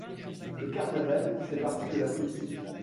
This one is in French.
Le carnaval y fait partie de la politique.